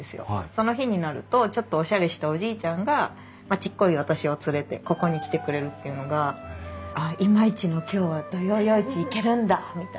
その日になるとちょっとおしゃれしたおじいちゃんがちっこい私を連れてここに来てくれるっていうのが「ああ今日は土曜夜市行けるんだ」みたいな。